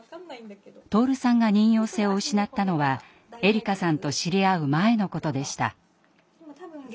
徹さんが妊よう性を失ったのはえりかさんと知り合う前のことでした。